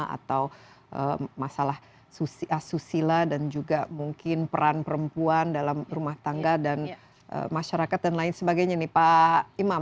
atau masalah asusila dan juga mungkin peran perempuan dalam rumah tangga dan masyarakat dan lain sebagainya nih pak imam